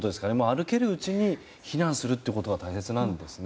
歩けるうちに避難するってことが大切なんですね。